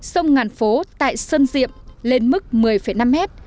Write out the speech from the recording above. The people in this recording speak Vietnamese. sông ngàn phố tại sơn diệm lên mức một mươi năm mét